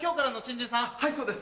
はいそうです。